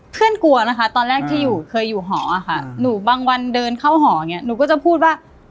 กลัวนะคะตอนแรกที่อยู่เคยอยู่หอค่ะหนูบางวันเดินเข้าหออย่างนี้หนูก็จะพูดว่า